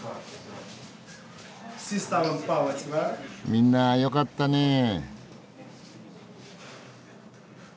みんなよかったねえ。